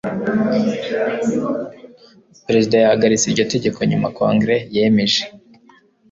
perezida yahagaritse iryo tegeko nyuma kongere yemeje